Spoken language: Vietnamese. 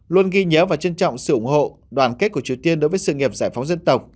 luôn ghi nhớ và trân trọng sự ủng hộ đoàn kết của triều tiên đối với sự nghiệp giải phóng dân tộc